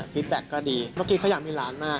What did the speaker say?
ฟีตแบ็คก็ดีพ่อกริ๊กเขาอยากมีหลานมาก